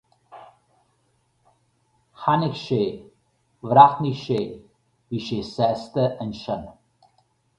Tháinig sé, bhreathnaigh sé, bhí sé sásta ansin.